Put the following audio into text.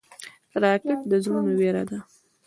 راکټ د زړونو وېره ده